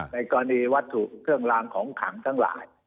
ในกรณีวัตถุเครื่องลางของขังทั้งหลาย